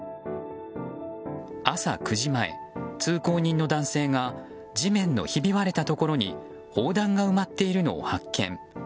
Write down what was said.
朝９時前、通行人の男性が地面のひび割れたところに砲弾が埋まっているのを発見。